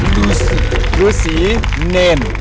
ลือสีเน่น